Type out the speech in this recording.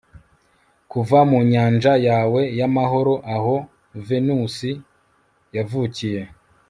kuva mu nyanja yawe y'amahoro, aho venusi yavukiye